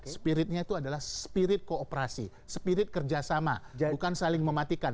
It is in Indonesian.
spiritnya itu adalah spirit kooperasi spirit kerjasama bukan saling mematikan